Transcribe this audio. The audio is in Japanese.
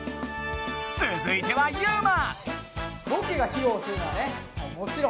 つづいてはユウマ！